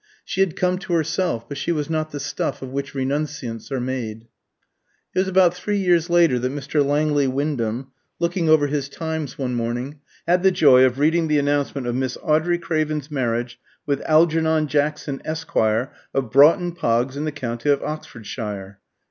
She had come to herself, but she was not the stuff of which renunciants are made. It was about three years later that Mr. Langley Wyndham, looking over his "Times" one morning, had the joy of reading the announcement of Miss Audrey Craven's marriage with Algernon Jackson, Esq., of Broughton Poggs, in the county of Oxfordshire.